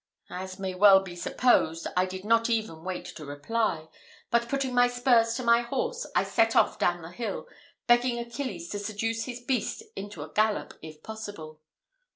As may be well supposed, I did not even wait to reply; but putting spurs to my horse, I set off down the hill, begging Achilles to seduce his beast into a gallop, if possible.